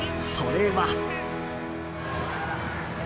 それは。